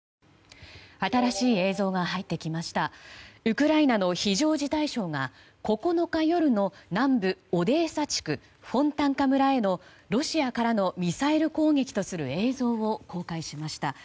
ウクライナの非常事態省が９日夜の南部オデーサ地区フォンタンカ村へのロシアからのミサイル攻撃とする映像を公開しました。